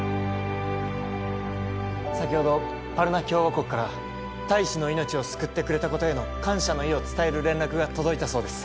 先ほどパルナ共和国から大使の命を救ってくれたことへの感謝の意を伝える連絡が届いたそうです